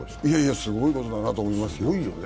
すごいことだと思いますよ。